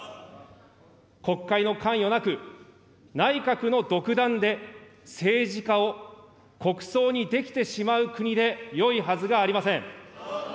国会の関与なく、内閣の独断で政治家を国葬にできてしまう国でよいはずがありません。